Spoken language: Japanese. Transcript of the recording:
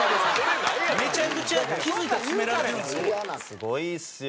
すごいですよ